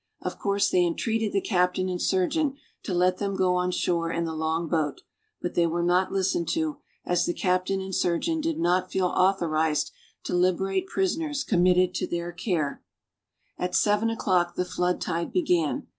Of course they entreated the captain and surgeon to let them go on shore in the long boat, but they were not listened to, as the captain and surgeon did not feel authorized to liberate prisoners committed to their care. At seven o'clock the flood tide began.